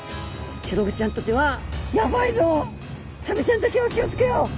シログチちゃんにとっては「やばいぞサメちゃんだけは気を付けよう」。